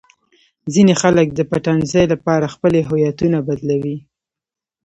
ځینې خلک د پټنځای لپاره خپلې هویتونه بدلوي.